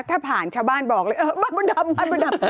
ถ้าผ่านชาวบ้านบอกเลยเออมามดดำบ้านมนดำ